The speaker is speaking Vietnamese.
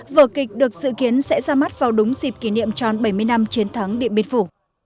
vở kịch được dự kiến sẽ ra mắt vào đúng dịp kỷ niệm tròn bảy mươi năm chiến thắng điện biên phủ